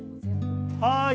はい。